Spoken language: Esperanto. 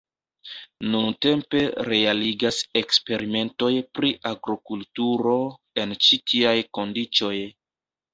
Nuntempe realigas eksperimentoj pri agrokulturo en ĉi tiaj kondiĉoj.